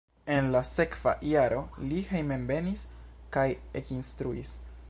En la sekva jaro li hejmenvenis kaj ekinstruis.